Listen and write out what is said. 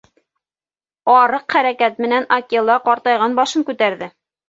Арыҡ хәрәкәт менән Акела ҡартайған башын күтәрҙе.